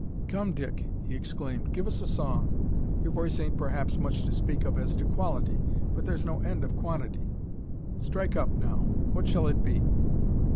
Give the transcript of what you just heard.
"Come, Dick," he exclaimed, "give us a song. Your voice ain't, perhaps, much to speak of as to quality, but there's no end of quantity. Strike up, now; what shall it be?"